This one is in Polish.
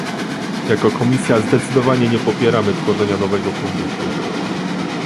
Jako Komisja zdecydowanie nie popieramy tworzenia nowego funduszu